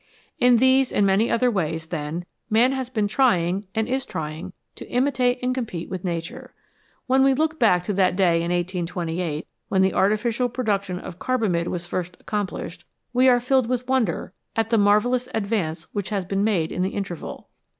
In these and many other ways, then, man has been trying, and is trying, to imitate and compete with Nature. When we look back to that day in 1828 when the artificial production of carbamide was first accomplished, we are filled with wonder at the marvellous advance which has been made in the interval.